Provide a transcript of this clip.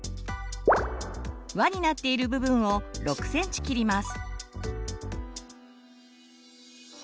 「わ」になっている部分を６ｃｍ切ります。